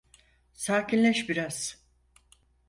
Sakinleş biraz.